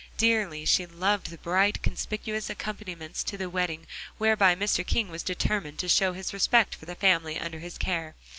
Dearly she loved the bright, conspicuous accompaniments to the wedding whereby Mr. King was determined to show his respect for the family under his care.